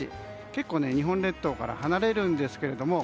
結構、日本列島から離れるんですけども。